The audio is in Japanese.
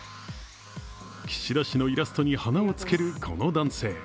岸田氏のイラストに花をつけるこの男性。